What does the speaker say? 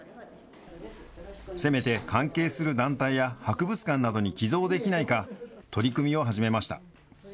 せめて関係する団体や博物館などに寄贈できないか、取り組みを始めました。